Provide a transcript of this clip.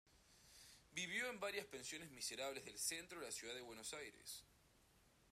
Vivió en varias pensiones miserables del centro de la ciudad de Buenos Aires.